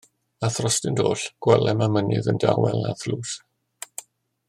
A throstynt oll gwelem y mynydd yn dawel a thlws.